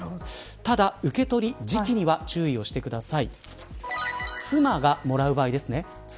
ただ受け取る時期には注意をしてください。